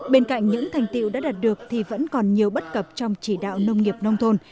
bên cạnh những thành tiệu đã đạt được thì vẫn còn nhiều bất cập trong chỉ đạo nông nghiệp nông thôn